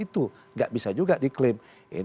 itu nggak bisa juga diklaim